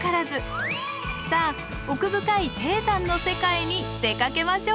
さあ奥深い低山の世界に出かけましょう。